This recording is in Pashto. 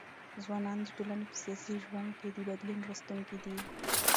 ځوانان د ټولني په سیاسي ژوند ګي د بدلون راوستونکي دي.